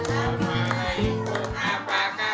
assalamualaikum pak pak